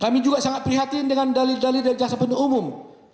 kami juga sangat prihatin dengan dalil dalil dari jasa penuntut umum